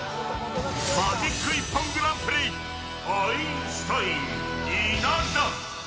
マジック一本グランプリアインシュタイン、稲田。